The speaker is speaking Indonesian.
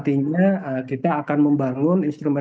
yang ini kita yuk seperti perhut bien